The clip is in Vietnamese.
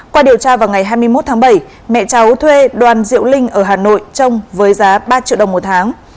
qua điều tra vào ngày hai mươi một tháng bảy mẹ cháu thuê đoàn diệu linh ở hà nội trồng với giá ba triệu đồng một tháng